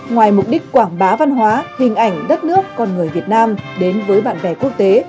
ngoài mục đích quảng bá văn hóa hình ảnh đất nước con người việt nam đến với bạn bè quốc tế